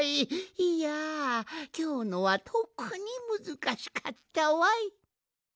いやきょうのはとくにむずかしかったわい。